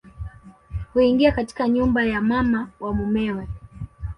Huingia katika nyumba ya mama wa mumewe